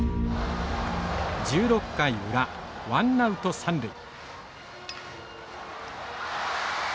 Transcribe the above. １６回裏ワンナウト三塁。